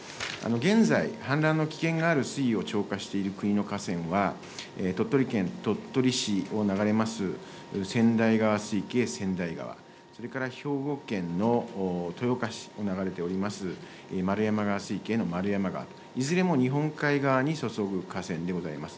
現在、氾濫の危険がある水位を超過している国の河川は、鳥取県鳥取市を流れます、千代川水系千代川、それから兵庫県の豊岡市に流れております、まるやま川水系のまるやま川と、いずれも日本海側にそそぐ河川でございます。